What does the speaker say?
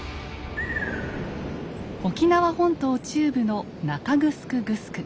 沖縄本島中部の中城グスク。